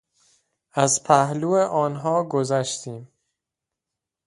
از پهلو آنها گذشتیم.